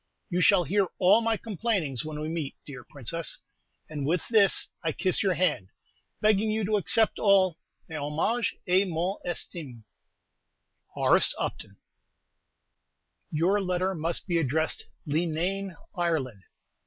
You shall hear all my complainings when we meet, dear Princess; and with this I kiss your hand, begging you to accept all "mes hommages" et mon estime, H. U. Your letter must be addressed "Leenane, Ireland."